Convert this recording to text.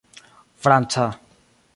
franca